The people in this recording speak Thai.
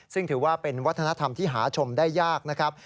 ซึ่งถือว่าเป็นวัฒนธรรมที่หาชมได้ยากนะครับ